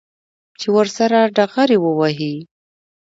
چې ورسره ډغرې ووهي.